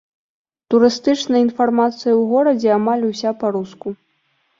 Турыстычная інфармацыя ў горадзе амаль уся па-руску.